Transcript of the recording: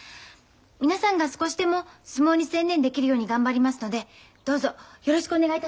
皆さんが少しでも相撲に専念できるように頑張りますのでどうぞよろしくお願いいたします。